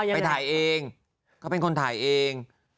ไปถ่ายเอง